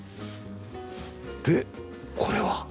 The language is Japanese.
でこれは？